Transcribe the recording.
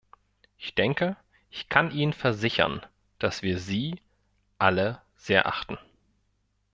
Ich denke, ich kann Ihnen versichern, dass wir Sie alle sehr achten.